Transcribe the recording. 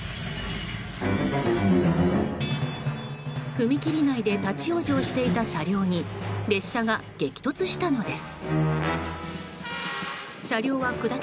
踏切内で立ち往生していた車両に列車が激突したのです。